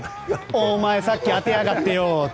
お前さっき当てやがってよと